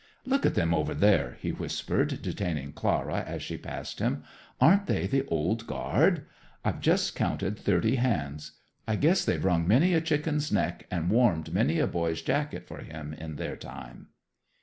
"Look at them over there," he whispered, detaining Clara as she passed him. "Aren't they the Old Guard? I've just counted thirty hands. I guess they've wrung many a chicken's neck and warmed many a boy's jacket for him in their time."